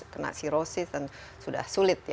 kena cirosis sudah sulit